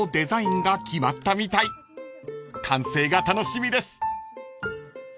［完成が楽しみです］